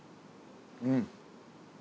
うん。